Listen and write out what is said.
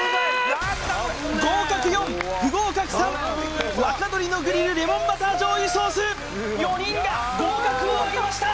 合格４不合格３若鶏のグリルレモンバター醤油ソース４人が合格をあげました